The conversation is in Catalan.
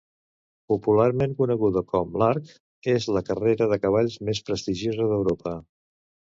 Popularment coneguda com l'"Arc", és la carrera de cavalls més prestigiosa d'Europa.